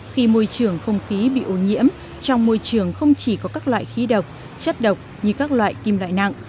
khi môi trường không khí bị ô nhiễm trong môi trường không chỉ có các loại khí độc chất độc như các loại kim loại nặng